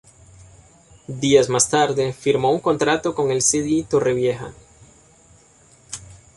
Días más tarde, firmó un contrato con el C. D. Torrevieja.